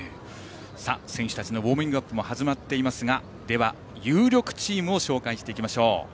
選手たちのウォーミングアップも始まっていますがでは、有力チームを紹介していきましょう。